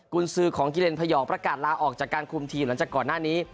คุณซื้อของกิเลนพยองประกาศลาออกจากการคุมทีมหลังจากก่อนหน้านี้